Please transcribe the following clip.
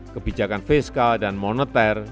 kebijakan fiskal dan moneter